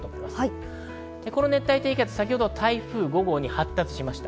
熱帯低気圧は先ほど台風５号に発達しました。